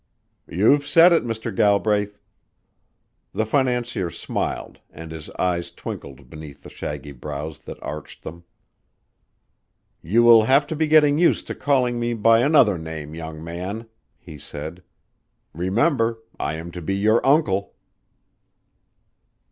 "You've said it, Mr. Galbraith." The financier smiled and his eyes twinkled beneath the shaggy brows that arched them. "You will have to be getting used to calling me by another name, young man," he said. "Remember I am to be your uncle."